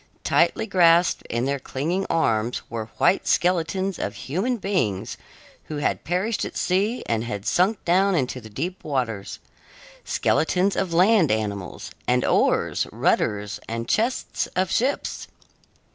Tightly grasped in their clinging arms were white skeletons of human beings who had perished at sea and had sunk down into the deep waters; skeletons of land animals; and oars, rudders, and chests, of ships.